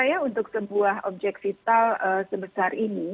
ya menurut saya untuk sebuah objek vital sebesar ini